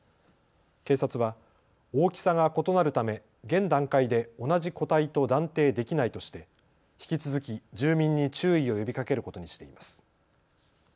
警察は大きさが異なるため現段階で同じ個体と断定できないとして引き続き住民に注意を呼びかけることにしています。